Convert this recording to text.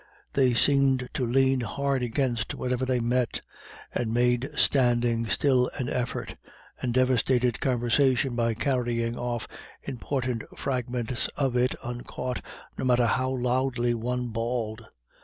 They seemed to lean hard against whatever they met, and made standing still an effort, and devastated conversation by carrying off important fragments of it uncaught, no matter how loudly one bawled.